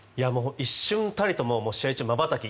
一瞬たりとも試合中まばたき